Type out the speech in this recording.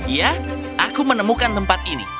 ya aku menemukan tempat ini